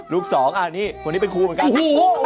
ลูกสองอันนี้คนนี้เป็นครูเหมือนกัน